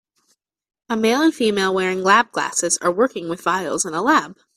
A male and female wearing lab glasses are working with vials in a lab.